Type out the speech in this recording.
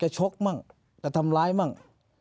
อ่าวก็ชกมั่งก็ทำร้ายมั่ง